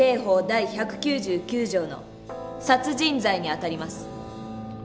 第１９９条の殺人罪にあたります」。